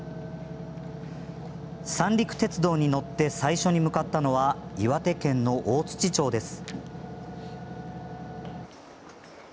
三陸鉄道に乗って最初に向かったのは岩手県の大槌町です。